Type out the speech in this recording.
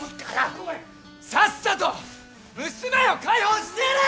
さっさと娘を解放してやれ！